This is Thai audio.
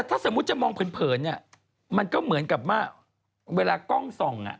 เพราะสมมุติจะมองเผินมันก็เหมือนกับเวลากล้องส่อง